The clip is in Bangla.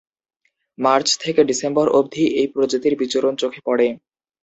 মার্চ থেকে ডিসেম্বর অবধি এই প্রজাতির বিচরণ চোখে পড়ে।